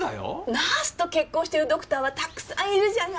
ナースと結婚してるドクターはたくさんいるじゃないの。